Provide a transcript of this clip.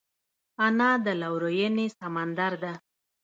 انا د لورینې سمندر ده